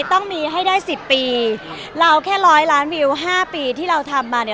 ต้องมีให้ได้สิบปีเราแค่ร้อยล้านวิวห้าปีที่เราทำมาเนี่ย